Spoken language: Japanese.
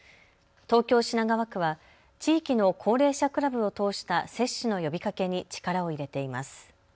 東京品川区は地域の高齢者クラブを通した接種の呼びかけに力を入れています。